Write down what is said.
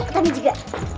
kita ambil juga